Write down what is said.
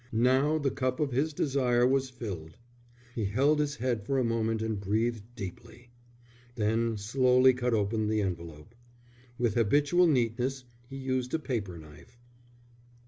Now the cup of his desire was filled. He held his head for a moment and breathed deeply, then slowly cut open the envelope. With habitual neatness he used a paper knife.